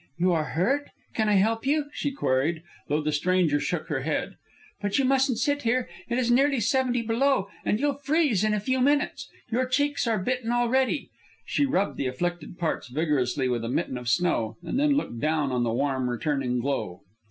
"You are hurt? Can I help you?" she queried, though the stranger shook her head. "But you mustn't sit there. It is nearly seventy below, and you'll freeze in a few minutes. Your cheeks are bitten already." She rubbed the afflicted parts vigorously with a mitten of snow, and then looked down on the warm returning glow.